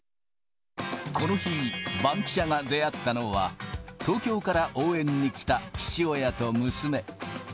この日、バンキシャが出会ったのは、東京から応援に来た父親と娘。